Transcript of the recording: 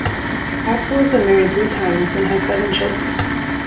Aspel has been married three times and has seven children.